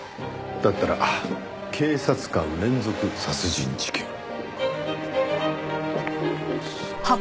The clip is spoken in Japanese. だったら警察官連続殺人事件。